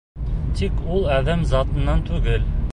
Тик ул әҙәм затынан түгел.